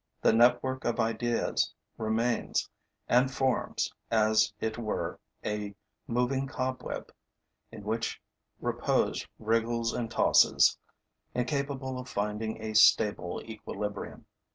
The network of ideas remains and forms as it were a moving cobweb in which repose wriggles and tosses, incapable of finding a stable equilibrium.